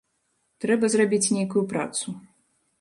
Трэба зрабіць нейкую працу.